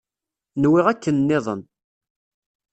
Nwiɣ akken-nniḍen.